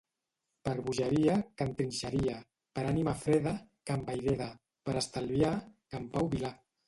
Per bogeria, Can Trinxeria; per ànima freda, Can Vayreda; per estalviar, Can Pau Vilà.